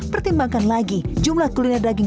pertimbangkan lagi jumlah kuliner daging